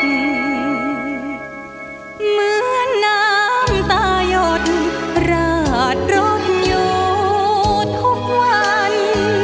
เหมือนน้ำตายนราดรถอยู่ทุกวัน